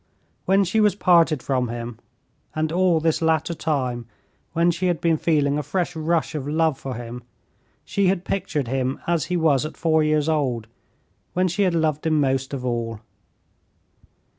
When she was parted from him, and all this latter time when she had been feeling a fresh rush of love for him, she had pictured him as he was at four years old, when she had loved him most of all.